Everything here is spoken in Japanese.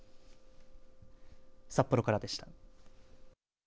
札幌からでした。